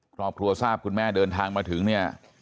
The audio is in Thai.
ครอบครัวทราบคุณแม่เดินทางมาถึงเนี่ย